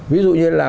ví dụ như là